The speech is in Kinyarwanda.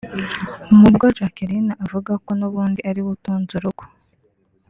Mu bwo Jacqueline avuga ko n’ubundi ariwe utunze urugo